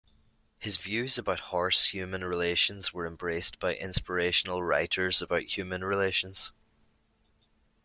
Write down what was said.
His views about horse-human relations were embraced by inspirational writers about human relations.